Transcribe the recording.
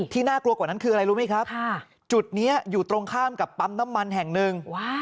น่ากลัวกว่านั้นคืออะไรรู้ไหมครับจุดนี้อยู่ตรงข้ามกับปั๊มน้ำมันแห่งหนึ่ง